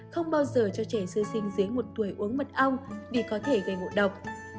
không bao giờ cho trẻ sơ sinh dưới một tuổi uống mật ong vì có thể gây ngộ độc